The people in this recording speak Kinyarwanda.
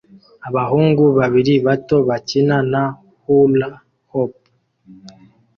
Abahungu babiri bato bakina na hula-hop